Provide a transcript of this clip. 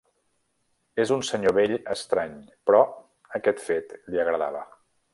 És un senyor vell estrany, però aquest fet li agradava.